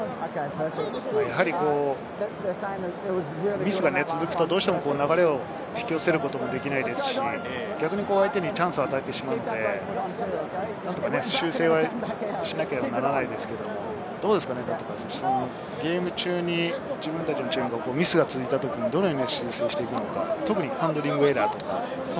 ミスが続くと、どうしても流れを引き寄せることができないですし、逆に相手にチャンスを与えてしまうので、修正はしなければならないんですけれど、ゲーム中に自分たちのチーム、ミスが続いたとき、どのように修正しているのか、特にハンドリングエラー。